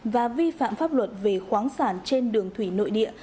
và vi phạm pháp luật về khoáng sản trên đường thủy nội địa